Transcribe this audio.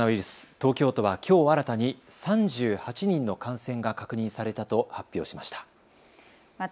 東京都はきょう新たに３８人の感染が確認されたと発表しました。